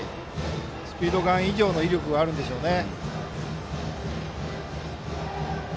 スピードガン以上の威力があるんでしょうね。